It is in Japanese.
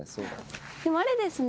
でもあれですね